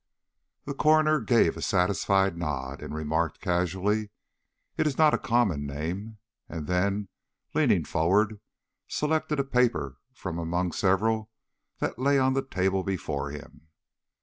The coroner gave a satisfied nod, and remarked casually, "It is not a common name," and then, leaning forward, selected a paper from among several that lay on the table before him.